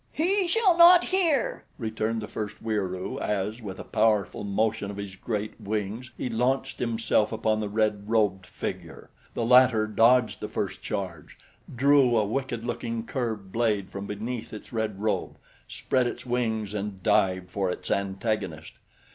"He shall not hear," returned the first Wieroo as, with a powerful motion of his great wings, he launched himself upon the red robed figure. The latter dodged the first charge, drew a wicked looking curved blade from beneath its red robe, spread its wings and dived for its antagonist.